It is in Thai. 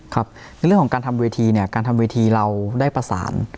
ครับในเรื่องของการทำเวทีเนี่ยการทำเวทีเราได้ประสาน